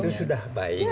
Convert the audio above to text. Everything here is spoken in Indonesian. itu sudah baik